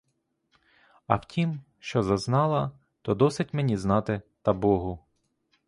А втім, що зазнала, то досить мені знати та богу.